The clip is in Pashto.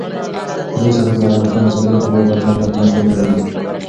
تر اوسه پورې د افغانستان د صادراتو لویه برخه زراعتي محصولات جوړوي.